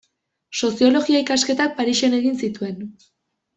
Soziologia ikasketak Parisen egin zituen.